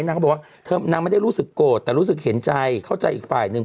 นางก็บอกว่าเธอนางไม่ได้รู้สึกโกรธแต่รู้สึกเห็นใจเข้าใจอีกฝ่ายหนึ่ง